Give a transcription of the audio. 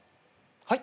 はい？